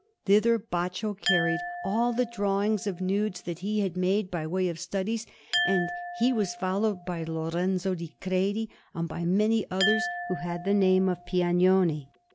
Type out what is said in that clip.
Thither Baccio carried all the drawings of nudes that he had made by way of studies, and he was followed by Lorenzo di Credi and by many others, who had the name of Piagnoni.